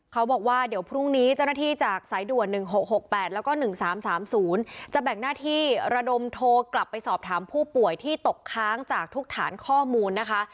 เขาบอกว่าเดี๋ยวพรุ่งนี้เจ้าหน้าที่จากสายด่วน๑๖๖๘แล้วก็๑๓๓๐จะแบ่งหน้าที่ระดมโทรกลับไปสอบถามผู้ป่วยที่ตกค้างจากทุกฐานข้อมูลนะคะ